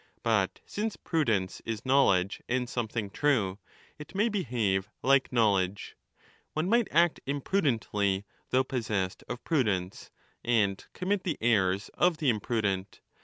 But since Prudence* is knowledge and something true, it may behave like knowledge ;^ one might 5 act imprudently though possessed of prudence, and commit the errors of the imprudent.